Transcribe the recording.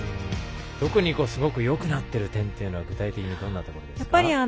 特に、すごくよくなっている点というのは具体的にどんなところですか。